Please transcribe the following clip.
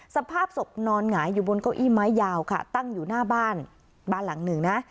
สภาพศพนอนหงายอยู่บนเก้าอี้ไม้ยาวค่ะตั้งอยู่หน้าบ้านบ้านหลังหนึ่งนะ